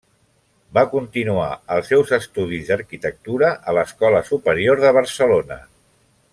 Va continuar els seus estudis d'arquitectura a l'Escola Superior de Barcelona.